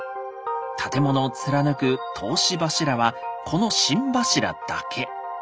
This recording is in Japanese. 建物を貫く通し柱はこの心柱だけ。